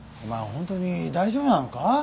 本当に大丈夫なのか？